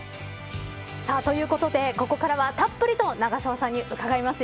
ということでここからは、たっぷりと長澤さんに伺います。